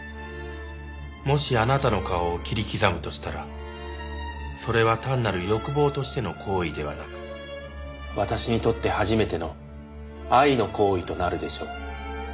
「もしあなたの顔を切り刻むとしたらそれは単なる欲望としての行為ではなく私にとって初めての愛の行為となるでしょう」